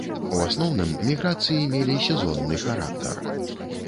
У асноўным міграцыі мелі сезонны характар.